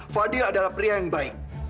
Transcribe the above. fadil adalah pria yang baik